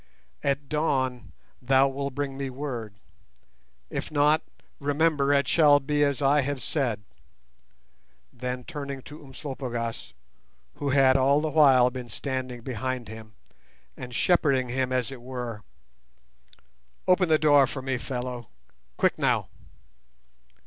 At dawn thou wilt bring me word. If not, remember it shall be as I have said." Then turning to Umslopogaas, who had all the while been standing behind him and shepherding him as it were, "Open the door for me, fellow, quick now."